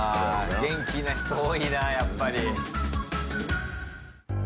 元気な人多いな、やっぱり。